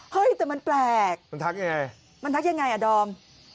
เฮ้ยแต่มันแปลกมันทักยังไงมันทักยังไงอ่ะดอม